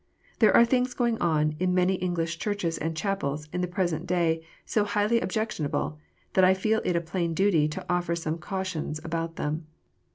There are things going on in many English churches and chapels in the present day so highly objectionable, that I feel it a plain duty to offer some cautions about them.